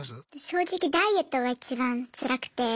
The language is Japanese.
正直ダイエットがいちばんつらくて。